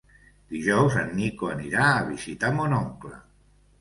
Dijous en Nico anirà a visitar mon oncle.